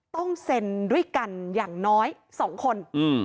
ต้องเซ็นด้วยกันอย่างน้อย๒คน